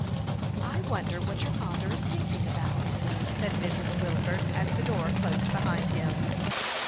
" I wonder what your father is thinking about," said Mrs. Wilford, as the door closed behind him.